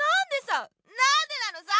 なんでなのさ！